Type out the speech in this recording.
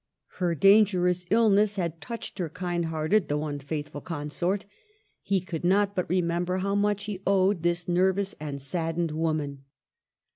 Her dangerous illness had touched her kind hearted though unfaithful consort; he could not but remember how much he owed this nervous and saddened wo man.